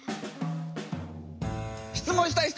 質問したい人。